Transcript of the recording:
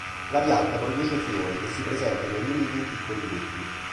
La pianta produce fiori che si presentano riuniti in piccoli gruppi.